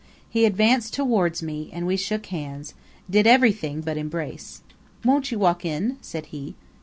He advanced towards me, and we shook hands did everything but embrace. "Won't you walk in?" said he.